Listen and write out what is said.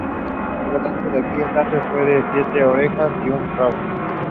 Her husband, Dipl.-Ing.